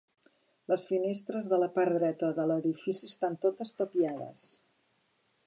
Les finestres de la part dreta de l'edifici estan totes tapiades.